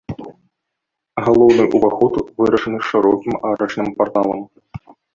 Галоўны ўваход вырашаны шырокім арачным парталам.